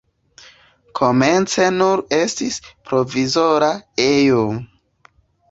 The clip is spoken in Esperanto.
Komence nur estis provizora ejo.